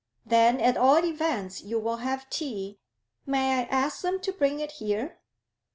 'Then at all events you will have tea. May I ask them to bring it here?'